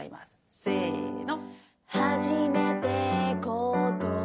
せの。